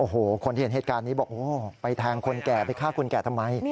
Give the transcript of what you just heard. โอ้โหคนที่เห็นเหตุการณ์นี้บอกโอ้ไปแทงคนแก่ไปฆ่าคนแก่ทำไม